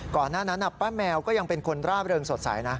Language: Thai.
ก่อนหน้านั้นป้าแมวก็ยังเป็นคนร่าเริงสดใสนะ